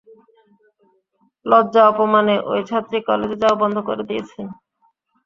লজ্জা অপমানে ওই ছাত্রী কলেজে যাওয়া বন্ধ করে দিয়েছেন।